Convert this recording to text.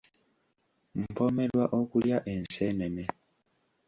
Mpoomerwa okulya enseenene.